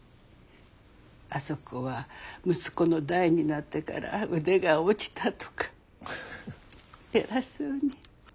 「あそこは息子の代になってから腕が落ちた」とか偉そうに。